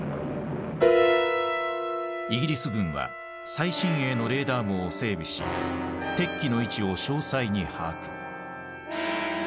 イギリス軍は最新鋭のレーダー網を整備し敵機の位置を詳細に把握。